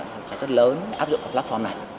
sản phẩm lớn áp dụng platform này